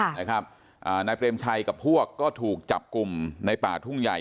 ค่ะนะครับอ่านายเปรมชัยกับพวกก็ถูกจับกุมในป่าทุ่งใหญ่